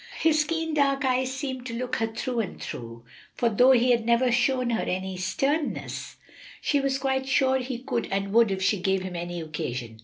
His keen dark eyes seemed to look her through and through, and though he had never shown her any sternness, she was quite sure he could and would if she gave him any occasion.